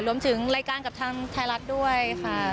รวมถึงรายการกับทางไทยรัฐด้วยค่ะ